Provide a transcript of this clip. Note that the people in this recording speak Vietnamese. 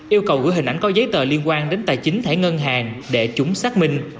yêu cầu gửi hình ảnh có giấy tờ liên quan đến tài chính thẻ ngân hàng để chúng xác minh